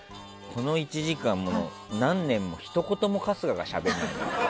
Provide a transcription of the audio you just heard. この１時間何年も、ひと言も春日がしゃべらない。